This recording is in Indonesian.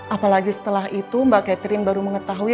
apalagi setelah itu mbak catherine baru mengetahui